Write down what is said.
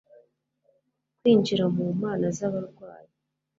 kwinjira mu mana z'abarwanyi